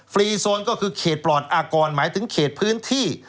รีโซนก็คือเขตปลอดอากรหมายถึงเขตพื้นที่